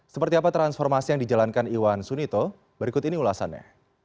seperti apa transformasi yang dijalankan iwan sunito berikut ini ulasannya